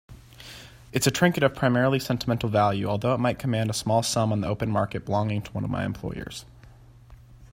It's a trinket of primarily sentimental value, although it might command a small sum on the open market, belonging to one of my employers.